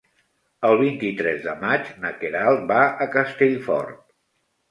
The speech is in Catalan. El vint-i-tres de maig na Queralt va a Castellfort.